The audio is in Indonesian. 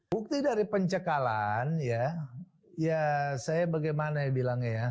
bukti dari pencekalan ya ya saya bagaimana ya bilangnya ya